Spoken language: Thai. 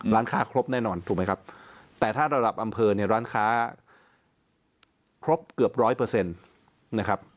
ร้านค้าครบแน่นอนถูกไหมครับแต่ถ้าระดับอำเภอเนี่ยร้านค้าครบเกือบ๑๐๐